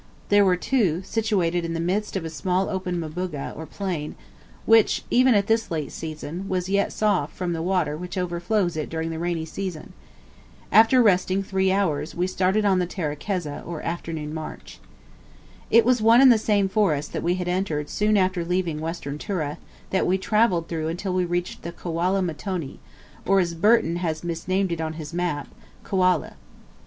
There were two, situated in the midst of a small open mbuga, or plain, which, even at this late season, was yet soft from the water which overflows it during the rainy season. After resting three hours, we started on the terekeza, or afternoon march. It was one and the same forest that we had entered soon after leaving Western Tura, that we travelled through until we reached the Kwala Mtoni, or, as Burton has misnamed it on his map, "Kwale."